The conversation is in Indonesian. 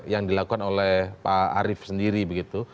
yang dilakukan oleh pak arief sendiri begitu